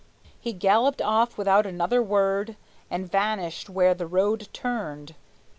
He galloped off without another word, And vanished where the road turned.